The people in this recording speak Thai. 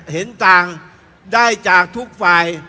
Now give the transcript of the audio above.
เห็นต่างได้จากทุกฝ่าย